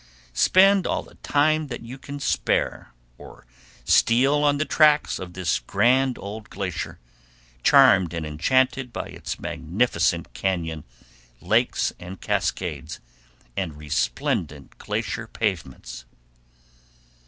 Spend all the time you can spare or steal on the tracks of this grand old glacier, charmed and enchanted by its magnificent cañon, lakes and cascades and resplendent glacier pavements.